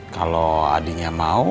kalau adinya mau